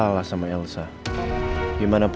kamu tenang nek